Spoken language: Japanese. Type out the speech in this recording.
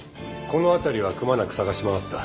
この辺りはくまなく捜し回った。